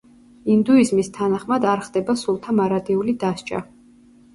ინდუიზმის თანახმად არ ხდება სულთა მარადიული დასჯა.